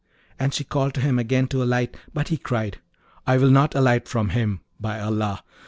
And she called to him again to alight, but he cried, 'I will not alight from him! By Allah!